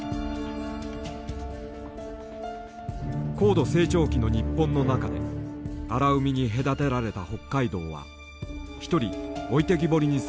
高度成長期の日本の中で荒海に隔てられた北海道は一人置いてきぼりにされていた。